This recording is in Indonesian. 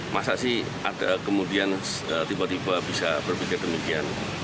masa sih ada kemudian tiba tiba bisa berpikir demikian